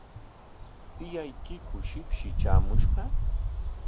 ¿Tiyaykiku shipshi traamushqa?